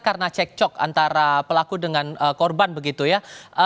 karena cekcok antara pelaku dengan korban begitu ya